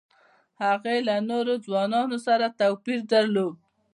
هغې له نورو ځوانانو سره توپیر درلود